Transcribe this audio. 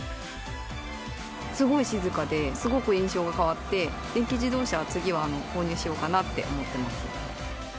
すごい静かで、すごく印象が変わって、電気自動車を次は購入しようかなって思ってます。